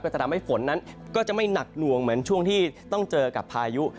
จะทำให้ฝนนั้นก็จะไม่หนักหน่วงเหมือนช่วงที่ต้องเจอกับพายุ